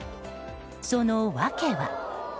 その訳は。